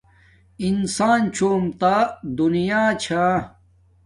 انسان چھوم تا دینا چھا